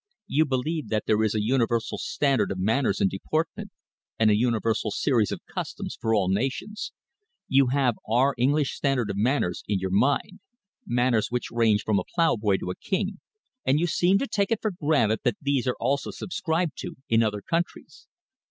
You believe that there is a universal standard of manners and deportment, and a universal series of customs for all nations. You have our English standard of manners in your mind, manners which range from a ploughboy to a king, and you seem to take it for granted that these are also subscribed to in other countries.